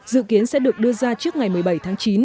dự kiến sẽ được đưa ra trước ngày một mươi bảy tháng chín